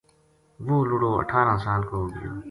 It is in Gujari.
وہ لُڑو اٹھارہ سال کو ہو گیو